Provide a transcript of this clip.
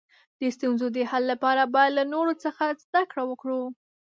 د ستونزو د حل لپاره باید له نورو څخه زده کړه وکړو.